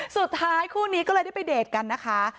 สุดท้ายคู่นี้ก็เลยได้ไปเดชกันนะคะ